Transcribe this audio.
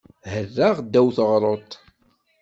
Herraɣ ddaw teɣruḍt.